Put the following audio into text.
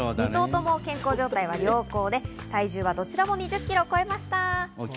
２頭とも健康状態は良好で、体重はどちらも２０キロを超えました。